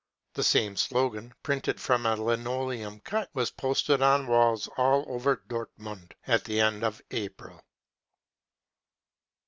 53 The same slogan, printed from a linoleum cut, was posted on walls all over Dortmund at the end of April.